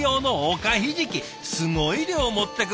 すごい量持ってく！